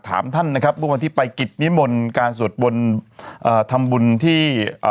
ถามท่านนะครับบางวันที่ไปกิจนิมบลการสูตรบนธรรมบุญที่